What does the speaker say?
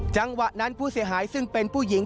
จังหวะนั้นผู้เสียหายซึ่งเป็นผู้หญิง